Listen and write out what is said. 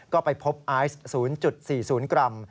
ก็ไปพบไอซ์๐๔๐กรัม